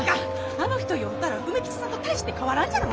あの人酔うたら梅吉さんと大して変わらんじゃろ。